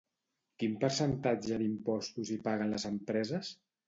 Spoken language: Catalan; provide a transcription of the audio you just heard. Quin percentatge d'impostos hi paguen les empreses?